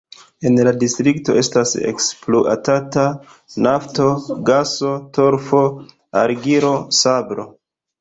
En la distrikto estas ekspluatata nafto, gaso, torfo, argilo, sablo.